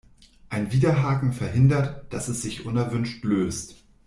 Ein Widerhaken verhindert, dass es sich unerwünscht löst.